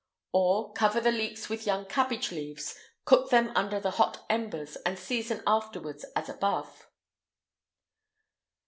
[IX 153] Or, cover the leeks with young cabbage leaves; cook them under the hot embers, and season afterwards as above.